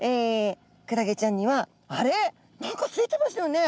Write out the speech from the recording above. クラゲちゃんにはあれっ？何かついてましたよね？